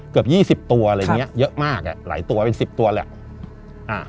เกือบ๒๐ตัวอะไรอย่างนี้เยอะมากหลายตัวเป็น๑๐ตัวแหละ